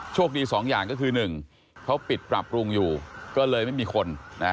สองอย่างก็คือ๑เขาปิดปรับปรุงอยู่ก็เลยไม่มีคน